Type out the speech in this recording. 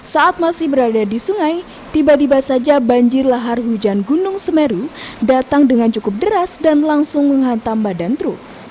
saat masih berada di sungai tiba tiba saja banjir lahar hujan gunung semeru datang dengan cukup deras dan langsung menghantam badan truk